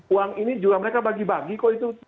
uang ini juga mereka bagi bagi kok itu